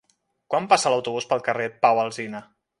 Quan passa l'autobús pel carrer Pau Alsina?